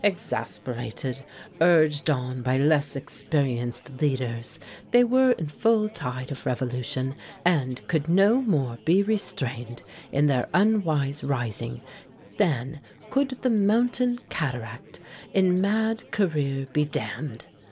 Exasperated, urged on by less experienced leaders, they were in full tide of revolution, and could no more be restrained in their unwise rising than could the mountain cataract in mad career be dammed.